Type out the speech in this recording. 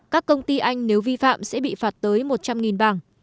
các công ty anh nếu vi phạm sẽ bị phạt tới một trăm linh bảng